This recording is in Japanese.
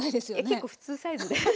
結構普通サイズで。